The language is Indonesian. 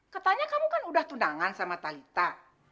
katanya kamu kan udah tunangan sama talitha